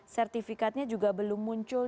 sertifikatnya juga belum muncul